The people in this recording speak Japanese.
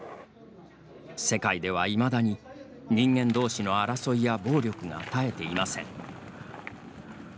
世界では、いまだに人間どうしの争いや暴力が絶えていません。